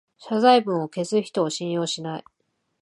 謝罪文を消す人を信用しない